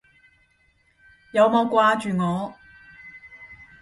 有冇掛住我？